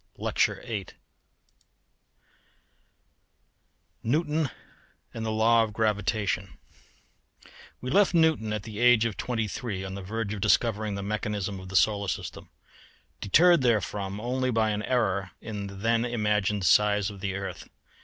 LECTURE VIII NEWTON AND THE LAW OF GRAVITATION We left Newton at the age of twenty three on the verge of discovering the mechanism of the solar system, deterred therefrom only by an error in the then imagined size of the earth.